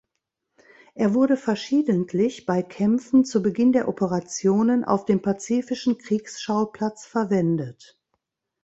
Er wurde verschiedentlich bei Kämpfen zu Beginn der Operationen auf dem pazifischen Kriegsschauplatz verwendet.